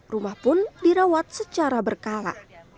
rumah pun dirawat secara berkala